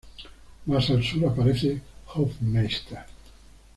Más al sur aparece Hoffmeister.